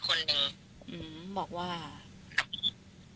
ก็เลยบอกว่าไม่ได้คุยหรือติดต่อกันมานานแล้ว